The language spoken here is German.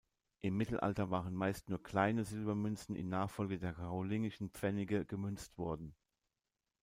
Im Mittelalter waren meist nur kleine Silbermünzen in Nachfolge der karolingischen Pfennige gemünzt worden.